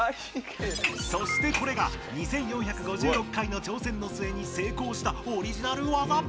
そして、これが２４５６回の挑戦の末に成功したオリジナル技。